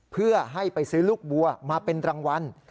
เพื่อให้ไปซื้อลูกบัวมาเป็นรางวัล